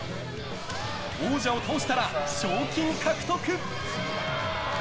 王者を倒したら賞金獲得！